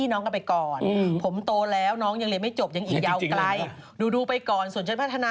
น้องเอ่ยทันเยียววัน